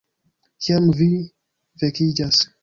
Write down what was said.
Kiam vi vekiĝas